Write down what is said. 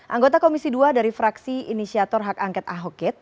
anggota komisi dua dari fraksi inisiator hak angket ahoket